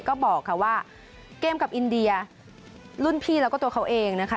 เข้ามาบอกครับว่าเกมกลับอินเดียรุ่นพี่และตัวเค้าเองนะคะ